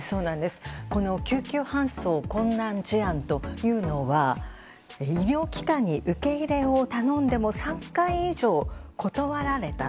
救急搬送困難事案というのは医療機関に受け入れを頼んでも３回以上断られた。